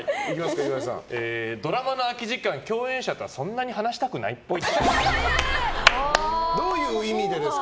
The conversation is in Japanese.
ドラマの空き時間、共演者とはそんなに話したくないっぽい。